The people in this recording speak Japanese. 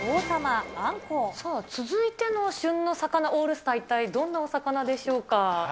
さあ、続いての旬の魚オールスター、一体どんなお魚でしょうか。